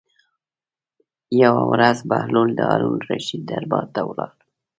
یوه ورځ بهلول د هارون الرشید دربار ته ولاړ.